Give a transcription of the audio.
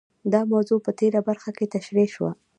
دا موضوع په تېره برخه کې تشرېح شوه.